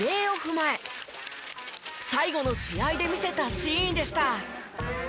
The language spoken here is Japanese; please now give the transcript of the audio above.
前最後の試合で見せたシーンでした。